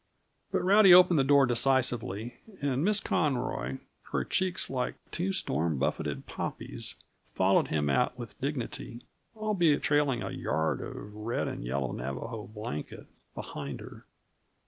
But Rowdy opened the door decisively, and Miss Conroy, her cheeks like two storm buffeted poppies, followed him out with dignity albeit trailing a yard of red and yellow Navajo blanket behind her.